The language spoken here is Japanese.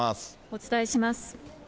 お伝えします。